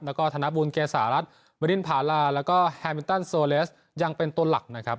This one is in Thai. แล้วก็ธนบุญเกษารัฐมรินพาราแล้วก็แฮมินตันโซเลสยังเป็นตัวหลักนะครับ